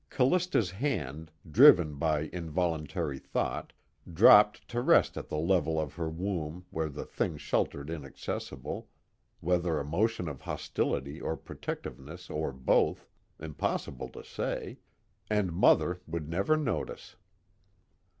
Callista's hand, driven by involuntary thought, dropped to rest at the level of her womb where the thing sheltered inaccessible whether a motion of hostility or protectiveness or both, impossible to say; and Mother would never notice.